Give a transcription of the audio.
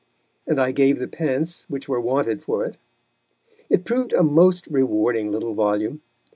and I gave the pence which were wanted for it. It proved a most rewarding little volume.